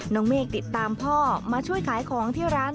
เมฆติดตามพ่อมาช่วยขายของที่ร้าน